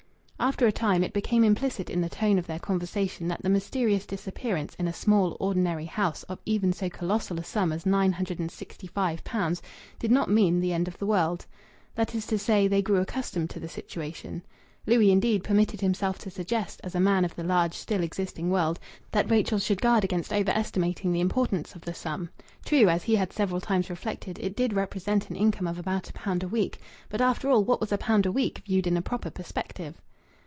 After a time it became implicit in the tone of their conversation that the mysterious disappearance in a small, ordinary house of even so colossal a sum as nine hundred and sixty five pounds did not mean the end of the world. That is to say, they grew accustomed to the situation. Louis, indeed, permitted himself to suggest, as a man of the large, still existing world, that Rachel should guard against over estimating the importance of the sum. True, as he had several times reflected, it did represent an income of about a pound a week! But, after all, what was a pound a week, viewed in a proper perspective?...